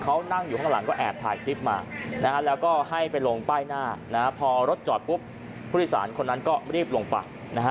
เขานั่งอยู่ข้างหลังก็แอบถ่ายคลิปมาแล้วก็ให้ไปลงป้ายหน้าพอรถจอดปุ๊บผู้โดยสารคนนั้นก็รีบลงไปนะฮะ